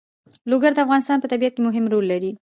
لوگر د افغانستان په طبیعت کې مهم رول لري.